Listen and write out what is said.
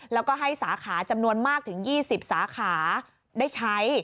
แล้วก็ให้สาขาจำนวนมากถึง๒๐สาขาได้ใช้